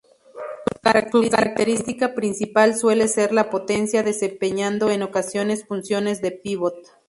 Su característica principal suele ser la potencia, desempeñando en ocasiones funciones de pívot.